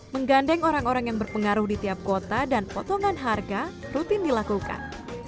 menggandeng orang orang yang berpengaruh di tiap kota dan potongan harga rutin dilakukan